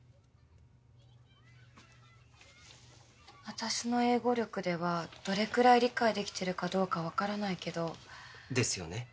私の英語力ではどれくらい理解できてるかどうかわからないけど。ですよね。